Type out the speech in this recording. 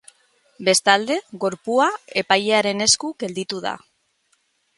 Bestalde, gorpua epailearen esku gelditu da.